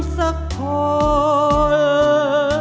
เพลงพร้อมร้องได้ให้ล้าน